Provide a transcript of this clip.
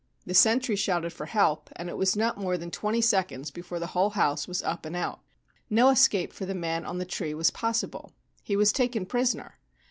The sentry shouted for help, and it was not more than twenty seconds before the whole house was up and out. No escape for the man on the tree was possible. He was taken prisoner.